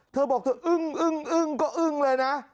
เธอบอกเธออึ้งก็อึ้งเลยนะ